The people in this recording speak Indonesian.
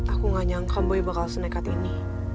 aku gak nyangka bayi bakal senekat ini